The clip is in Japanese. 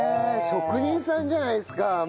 職人さんじゃないですかもう。